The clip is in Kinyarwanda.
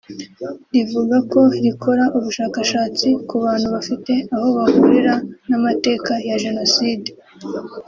rivuga ko rikora ubushakashatsi ku bantu bafite aho bahurira n’amateka ya Jenoside